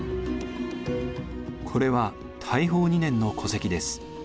これは大宝２年の戸籍です。